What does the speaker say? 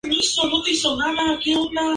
Esta actividad se realiza solamente en Cárdenas.